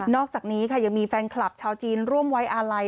อกจากนี้ค่ะยังมีแฟนคลับชาวจีนร่วมไว้อาลัย